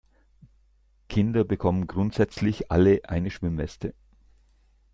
Kinder bekommen grundsätzlich alle eine Schwimmweste.